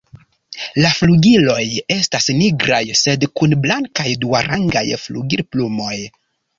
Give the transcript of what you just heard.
La flugiloj estas nigraj sed kun blankaj duarangaj flugilplumoj.